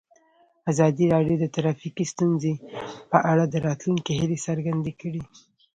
ازادي راډیو د ټرافیکي ستونزې په اړه د راتلونکي هیلې څرګندې کړې.